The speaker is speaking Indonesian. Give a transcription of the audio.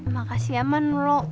makasih ya man lo